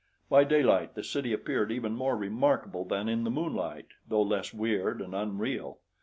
By daylight the city appeared even more remarkable than in the moonlight, though less weird and unreal.